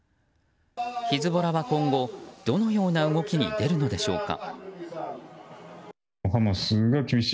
ヒズボラは今後、どのような動きに出るのでしょうか。